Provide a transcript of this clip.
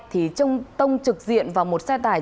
thì trông tông trực diện vào một xe tải